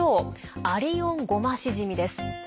アリオンゴマシジミです。